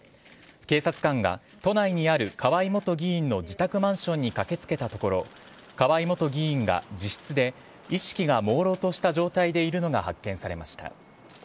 警察官が都内にある河井元議員の自宅マンションに駆けつけたところ河井元議員が自室で意識がもうろうとした状態でいるのが発見されました。